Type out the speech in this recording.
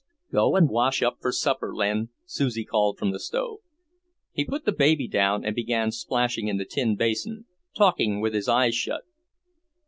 "Go and wash up for supper, Len," Susie called from the stove. He put down the baby and began splashing in the tin basin, talking with his eyes shut.